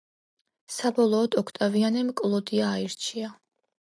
საბოლოოდ, ოქტავიანემ კლოდია აირჩია.